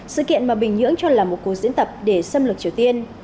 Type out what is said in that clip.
sự kiện mà bình nhưỡng cho là một cuộc diễn tập để xâm lược triều tiên